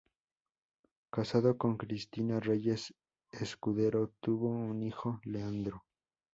Casado con Cristina Reyes Escudero, tuvo un hijo, Leandro.